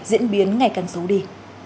diễn biến ngày càng xấu đi